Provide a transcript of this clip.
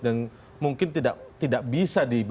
yang mungkin tidak bisa dikonsumsi